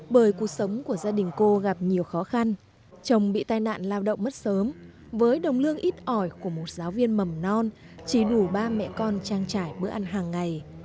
bởi cuộc sống của gia đình cô gặp nhiều khó khăn chồng bị tai nạn lao động mất sớm với đồng lương ít ỏi của một giáo viên mầm non chỉ đủ ba mẹ con trang trải bữa ăn hàng ngày